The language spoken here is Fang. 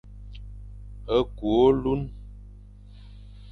Kü ôlun,